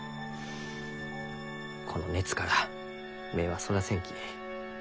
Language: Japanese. この熱から目はそらせんき。